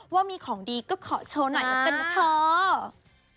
ว่ามีของดีก็ขอโชว์หน่อยแล้วกันนะเถอะ